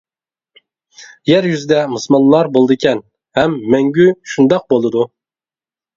يەر يۈزىدە مۇسۇلمانلار بولىدىكەن، ھەم مەڭگۈ شۇنداق بولىدۇ.